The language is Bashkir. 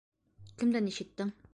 Кемдән ишеттең?!